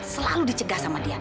selalu dicegah sama dia